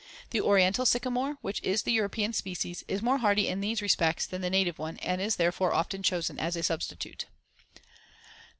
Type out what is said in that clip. The Oriental sycamore, which is the European species, is more hardy in these respects than the native one and is therefore often chosen as a substitute.